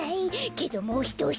けどもうひとおし。